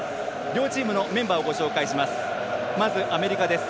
両チームのメンバーをご紹介します。